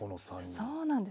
そうなんです。